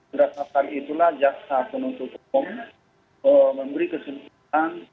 berdasarkan itulah jaksa penuntut umum memberi kesempatan